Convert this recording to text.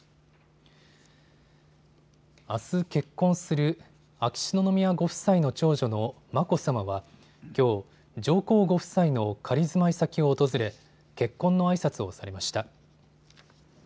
あす、結婚する秋篠宮ご夫妻の長女の眞子さまはきょう、上皇ご夫妻の仮住まい先を訪れ結婚のあいさつをされました。